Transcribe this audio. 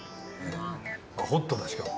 ホットだしかも。